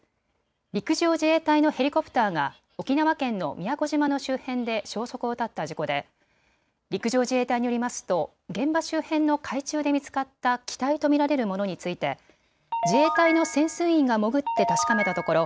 陸上自衛隊のヘリコプターが沖縄県の宮古島の周辺で消息を絶った事故で陸上自衛隊によりますと現場周辺の海中で見つかった機体と見られるものについて自衛隊の潜水員が潜って確かめたところ